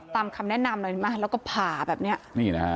ตามคำแนะนำหน่อยมาแล้วก็ผ่าแบบนี้